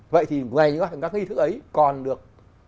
vậy thì ngày các nghi thức ấy còn được